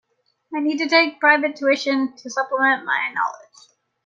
I need to take private tuition to supplement my knowledge.